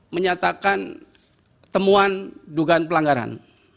menyatakan temuan dugaan pelanggaran